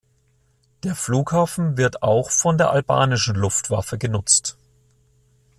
Der Flughafen wird auch von der albanischen Luftwaffe genutzt.